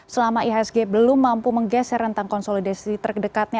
selama ihsg belum mampu menggeser rentang konsolidasi terdekatnya